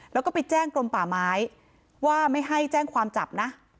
แล้วก็ไปแจ้งกรมป่าไม้ว่าไม่ให้แจ้งความจับนะ